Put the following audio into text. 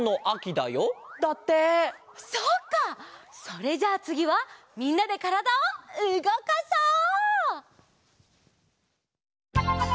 それじゃあつぎはみんなでからだをうごかそう！